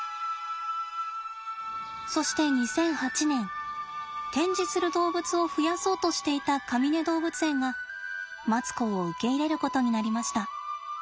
そして２００８年展示する動物を増やそうとしていたかみね動物園がマツコを受け入れることになりました。